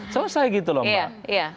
selesai gitu loh mbak